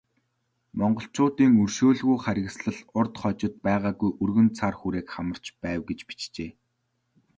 Монголчуудын өршөөлгүй харгислал урьд хожид байгаагүй өргөн цар хүрээг хамарч байв гэж бичжээ.